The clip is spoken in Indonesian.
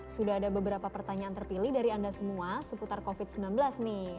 sudah ada beberapa pertanyaan terpilih dari anda semua seputar covid sembilan belas nih